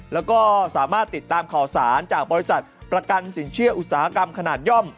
แล้วก็สามารถติดตามข่าวสารจากบริษัทประกันสินเชื่ออุตสาหกรรมขนาดย่อม